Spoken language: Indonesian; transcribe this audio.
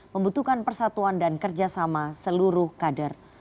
membutuhkan persatuan dan kerjasama seluruh kader